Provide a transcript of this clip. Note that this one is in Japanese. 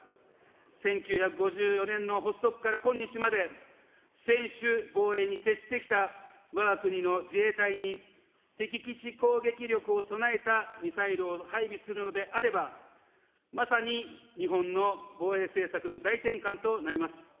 １９５４年の発足から今日まで、専守防衛に徹してきたわが国の自衛隊に、敵基地攻撃力を備えたミサイルを配備するのであれば、まさに日本の防衛政策の大転換となります。